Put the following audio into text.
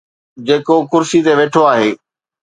جيڪو ڪرسي تي ويٺو آهي.